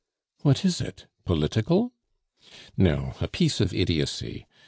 "What is it? Political?" "No, a piece of idiocy.